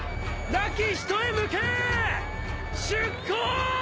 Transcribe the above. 亡き人へ向け出航！